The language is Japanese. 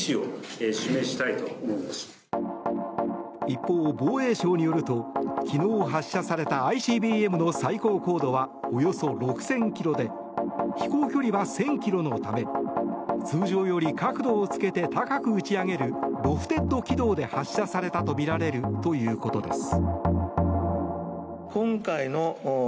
一方、防衛省によると昨日発射されたＩＣＢＭの最高高度はおよそ６０００ｋｍで飛行距離は１０００ｋｍのため通常より角度をつけて高く打ち上げるロフテッド軌道で発射されたとみられるということです。